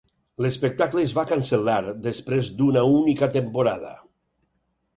L'espectacle es va cancel·lar després d'una única temporada.